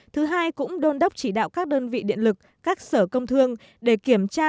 thứ hai cũng đôn đốc chỉ đạo các đơn vị điện lực các sở công thương để kiểm tra